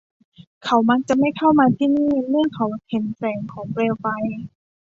เขามักจะไม่เข้ามาที่นี่เมื่อเขาเห็นแสงของเปลวไฟ